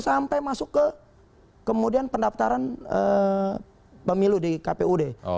sampai masuk ke kemudian pendaftaran pemilu di kpud